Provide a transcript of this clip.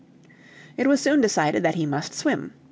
It was soon decided that he must swim.